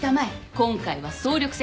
今回は総力戦。